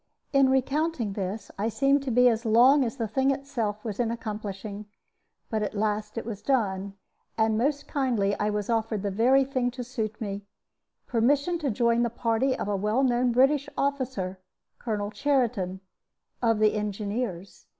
In recounting this I seem to be as long as the thing itself was in accomplishing. But at last it was done, and most kindly was I offered the very thing to suit me permission to join the party of a well known British officer, Colonel Cheriton, of the Engineers.